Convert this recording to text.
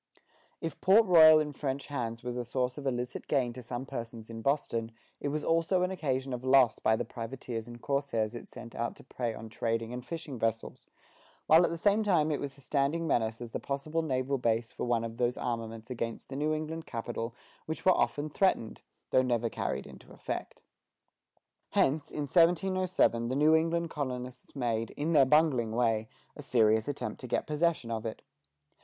If Port Royal in French hands was a source of illicit gain to some persons in Boston, it was also an occasion of loss by the privateers and corsairs it sent out to prey on trading and fishing vessels, while at the same time it was a standing menace as the possible naval base for one of those armaments against the New England capital which were often threatened, though never carried into effect. Hence, in 1707 the New England colonists made, in their bungling way, a serious attempt to get possession of it.